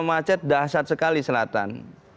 macet dasar sekali selatan